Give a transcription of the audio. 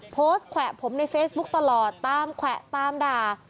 แขวะผมในเฟซบุ๊กตลอดตามแขวะตามด่า